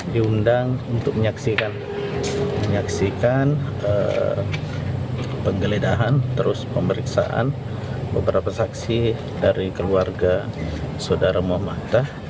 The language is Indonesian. diundang untuk menyaksikan penggeledahan terus pemeriksaan beberapa saksi dari keluarga saudara muhammadah